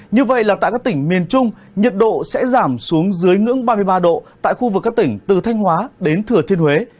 như vậy là tại các tỉnh miền trung nhiệt độ sẽ giảm xuống dưới ngưỡng ba mươi ba độ tại khu vực các tỉnh từ thanh hóa đến thừa thiên huế